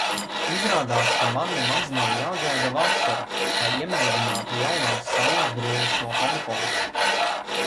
Izrādās, ka man nemaz nav jāgaida vasara, lai iemēģinātu jaunās saulesbrilles no Honkongas.